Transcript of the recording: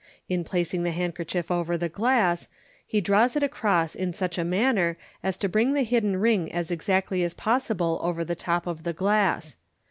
In placing the handkerchief over the glass, he draws it across in such manner as to bring the hidden ring as exactly as possible over the top of the glass.